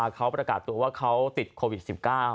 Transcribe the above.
เค้าประกาศตัวว่าเค้าติดโควิดสิบเก้า